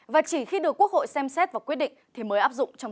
và chỉ khi được quốc hội xem xét và quyết định thì mới áp dụng